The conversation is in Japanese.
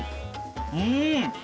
うん！